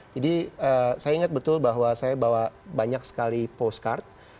jadi saya ingat betul bahwa saya bawa banyak sekali postcard